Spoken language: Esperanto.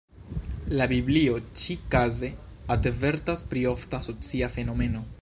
La biblio ĉi-kaze avertas pri ofta socia fenomeno.